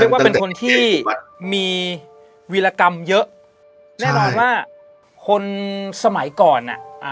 ว่าเป็นคนที่มีวีรกรรมเยอะแน่นอนว่าคนสมัยก่อนอ่ะ